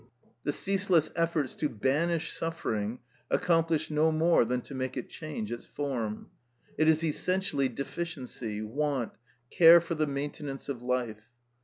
The ceaseless efforts to banish suffering accomplish no more than to make it change its form. It is essentially deficiency, want, care for the maintenance of life.